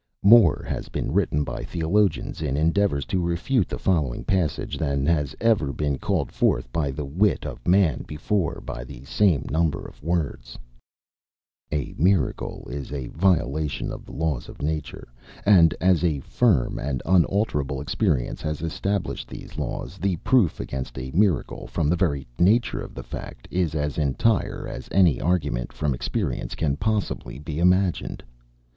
More has been written by theologians in endeavors to refute the following passage, than has ever been called forth by the wit of man before by the same number of words: "A miracle is a violation of the laws of nature; and as a firm and unalterable experience has established these laws, the proof against a miracle, from the very nature of the fact, is as entire as any argument from experience can possibly be imagined.